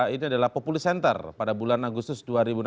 ini adalah populi center pada bulan agustus dua ribu enam belas